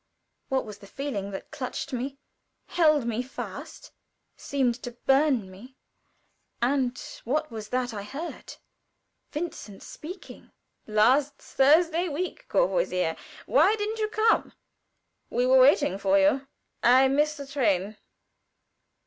What was the feeling that clutched me held me fast seemed to burn me? And what was that I heard? Vincent speaking: "Last Thursday week, Courvoisier why didn't you come? We were waiting for you?" "I missed the train."